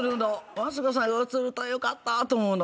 マツコさんが映るとよかったと思うの。